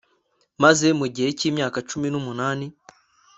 maze mu gihe cy'imyaka cumi n'umunani